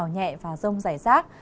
mưa rào nhẹ và rông rải rác